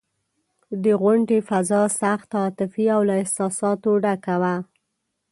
د غونډې فضا سخته عاطفي او له احساساتو ډکه وه.